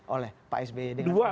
oleh pak sbi dengan ramai sekali